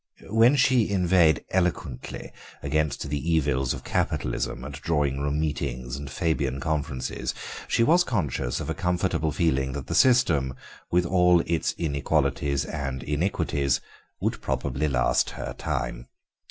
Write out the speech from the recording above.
When she inveighed eloquently against the evils of capitalism at drawing room meetings and Fabian conferences she was conscious of a comfortable feeling that the system, with all its inequalities and iniquities, would probably last her time.